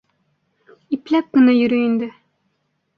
Ипләп кенә йөрө инде.